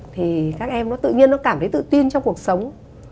thì các em nó tự nhiên nó cảm thấy tự tin trong cuộc sống